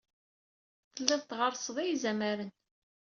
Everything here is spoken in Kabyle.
Telliḍ tɣerrseḍ i yizamaren.